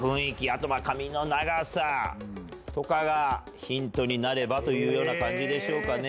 あと髪の長さとかがヒントになればというような感じでしょうかね。